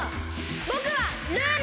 ぼくはルーナ！